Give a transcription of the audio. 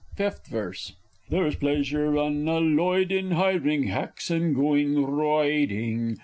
Fifth Verse. There is pleasure unalloyed in hiring hacks and going roiding!